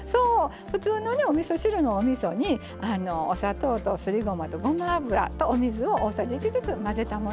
普通のねおみそ汁のおみそにお砂糖とすりごまとごま油とお水を大さじ１ずつ混ぜたものになります。